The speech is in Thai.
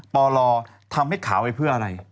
ต่อรอทำให้ขาวไว้เพื่ออะไร